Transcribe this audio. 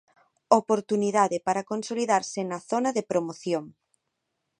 Oportunidade para consolidarse na zona de promoción.